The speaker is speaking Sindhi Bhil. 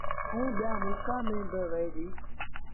ائيٚݩ ٻيٚآݩ ملڪآݩ ميݩ با وهي ديٚ